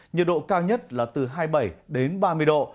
nhiệt độ cao nhất là từ hai mươi bảy đến ba mươi độ